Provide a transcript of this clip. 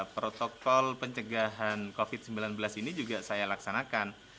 protokol pencegahan covid sembilan belas ini juga saya laksanakan